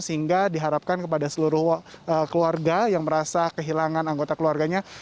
sehingga diharapkan kepada seluruh keluarga yang merasa kehilangan anggota keluarganya